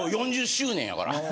４０周年だから。